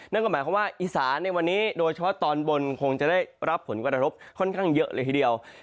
นั่นก็หมายความว่าอีสานในวันนี้โดยเฉพาะตอนบนคงจะได้รับผลกระทบค่อนข้างเยอะเลยทีเดียว